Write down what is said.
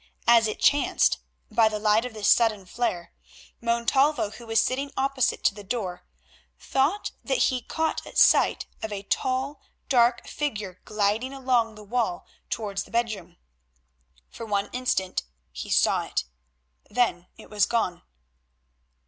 As it chanced, by the light of this sudden flare, Montalvo, who was sitting opposite to the door, thought that he caught sight of a tall, dark figure gliding along the wall towards the bedroom. For one instant he saw it, then it was gone.